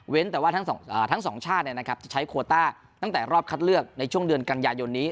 แต่ว่าทั้งสองชาติจะใช้โคต้าตั้งแต่รอบคัดเลือกในช่วงเดือนกันยายนนี้